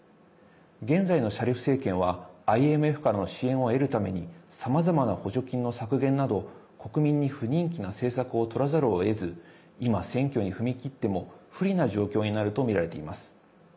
現在のシャリフ政権はＩＭＦからの支援を得るためにさまざまな補助金の削減など国民に不人気な政策をとらざるをえず今、選挙に踏み切っても不利な状況になるとみられています。